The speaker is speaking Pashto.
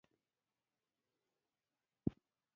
ایا زه بله اونۍ راشم؟